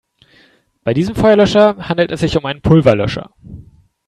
Bei diesem Feuerlöscher handelt es sich um einen Pulverlöscher.